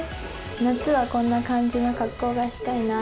夏はこんな感じの格好がしたいなって。